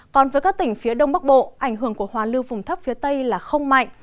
còn với các tỉnh phía đông bắc bộ ảnh hưởng của hoa lưu vùng thấp phía tây là không mạnh